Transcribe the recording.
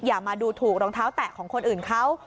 อย่ามาดูถูกรองเท้าแตะของคนอื่นเขา